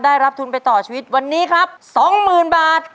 ได้รับทุนไปต่อชีวิตวันนี้ครับ๒๐๐๐บาท